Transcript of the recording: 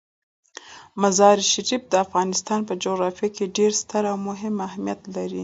مزارشریف د افغانستان په جغرافیه کې ډیر ستر او مهم اهمیت لري.